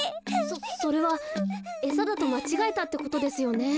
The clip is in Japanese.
そそれはえさだとまちがえたってことですよね。